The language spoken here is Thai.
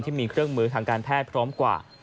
ที่มีเครื่องมือทางการแพทย์พร้อมกว่า